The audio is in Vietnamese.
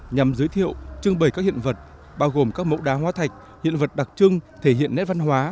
nhằm giới thiệu trưng bày các hiện vật bao gồm các mẫu đá hoa thạch hiện vật đặc trưng thể hiện nét văn hóa